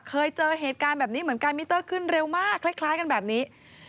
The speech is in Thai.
เคยเจอเหตุการณ์แบบนี้เหมือนกันมิเตอร์ขึ้นเร็วมากคล้ายกันแบบนี้